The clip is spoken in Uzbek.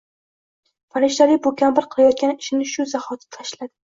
farishtali bu kampir qilayotgan ishini shu zahoti tashladi